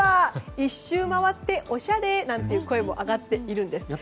一周回っておしゃれ！なんていう声も上がっているんです。